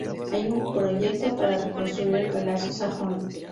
Hay un proyecto para reconstruir el Palacio Sajón.